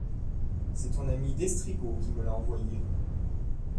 C'est ton ami d'Estrigaud qui me l'a envoyé.